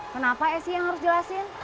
kenapa esy yang harus jelasin